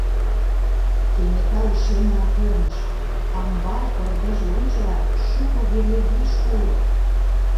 Кенета ушемлан перныш: амбар пырдыж лончылан, шуко вере виш уло.